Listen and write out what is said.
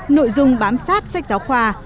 nội dung bám sát sách giáo khoa